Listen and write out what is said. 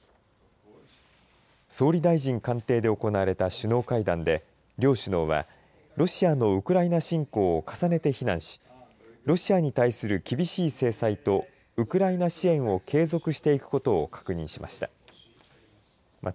総理大臣官邸で行われた首脳会談で両首脳はロシアのウクライナ侵攻を重ねて非難し、ロシアに対する厳しい制裁とウクライナ支援を継続していくことを確認しました。